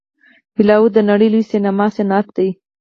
بالیووډ د نړۍ لوی سینما صنعت دی.